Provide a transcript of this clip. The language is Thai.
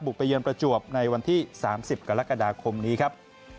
ไปเยือนประจวบในวันที่๓๐กรกฎาคมนี้ครับ